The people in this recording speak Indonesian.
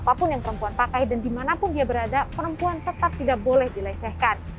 apapun yang perempuan pakai dan dimanapun dia berada perempuan tetap tidak boleh dilecehkan